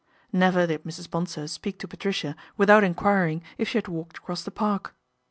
Never did Mrs. Bonsor speak to Patricia without enquiring if she had walked across the Park.